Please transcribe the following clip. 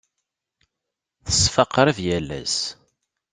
Teṣfa qrib yal ass.